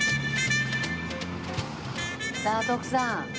さあ徳さん